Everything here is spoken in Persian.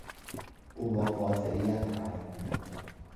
او با قاطعیت حرف میزد.